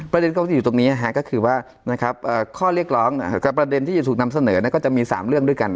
ประเด็นที่อยู่ตรงนี้ก็คือว่าประเด็นที่ถูกนำเสนอก็จะมี๓เรื่องด้วยกัน